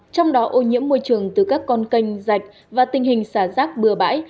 trong đó ô nhiễm môi trường từ các con canh rạch và tình hình xả rác bừa bãi